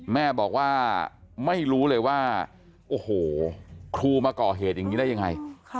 แม่บอกว่าไม่รู้เลยว่าโอ้โหครูมาก่อเหตุอย่างนี้ได้ยังไง